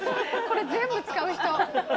これ全部使う人。